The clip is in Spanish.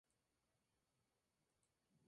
Su familia se encargó de sus primeros estudios.